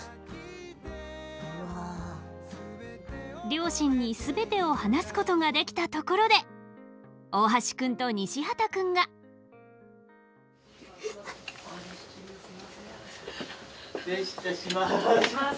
両親に全てを話すことができたところで大橋君と西畑君が。失礼します。